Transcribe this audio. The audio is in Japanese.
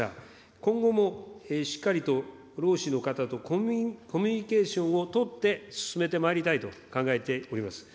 今後もしっかりと労使の方とコミュニケーションを取って、進めてまいりたいと考えております。